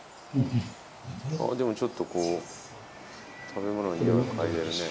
あっでもちょっとこう食べ物のにおい嗅いでるね。